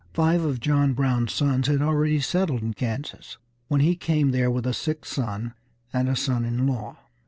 Five of John Brown's sons had already settled in Kansas when he came there with a sick son and a son in law.